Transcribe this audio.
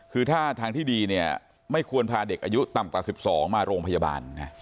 คือถ้าทางที่ดีเนี่ยไม่ควรพาเด็กอายุต่ำกว่า๑๒มาโรงพยาบาลนะ